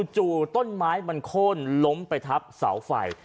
จู่ต้นไม้มันโค้นล้มไปทับเสาไฟ